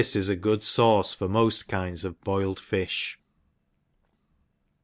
This is a good fauce for mod kinds of boiled fiih.